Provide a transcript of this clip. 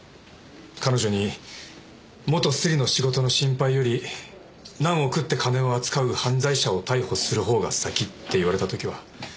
彼女に「元スリの仕事の心配より何億って金を扱う犯罪者を逮捕するほうが先」って言われた時は。